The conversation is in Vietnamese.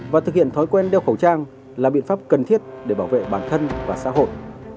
và thực hiện thói quen đeo khẩu trang là biện pháp cần thiết để bảo vệ bản thân và xã hội